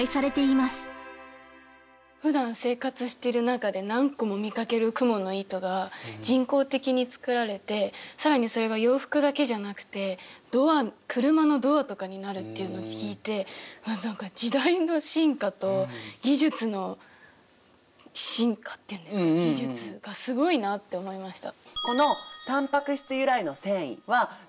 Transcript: ふだん生活してる中で何個も見かけるクモの糸が人工的に作られて更にそれが洋服だけじゃなくてドア車のドアとかになるっていうのを聞いて何か時代の進化と技術の進化っていうんですか技術がすごいなって思いました。